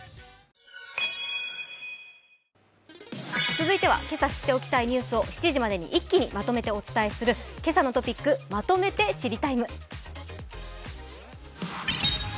続いては今朝知っておきたいニュースを７時までに一気にお伝えする「けさのトピックまとめて知りＴＩＭＥ，」。